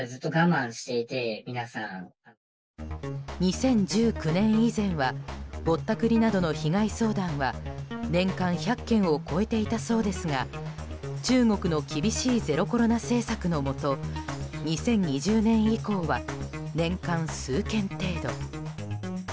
２０１９年以前はぼったくりなどの被害相談は年間１００件を超えていたそうですが中国の厳しいゼロコロナ政策のもと２０２０年以降は年間数件程度。